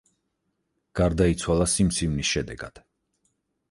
გარდაიცვალა სიმსივნის შედეგად.